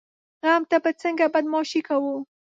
غم ته به څنګه بدماشي کوو؟